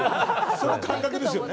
その感覚ですよね。